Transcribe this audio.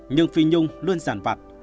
nhưng phi nhung luôn giàn vặt